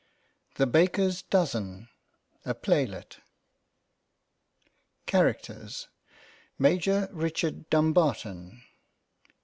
THE BAKER'S DOZEN Characters — Major Richard Dumbarton.